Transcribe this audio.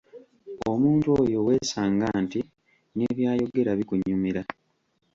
Omuntu oyo weesanga nti ne by’ayogera bikunyumira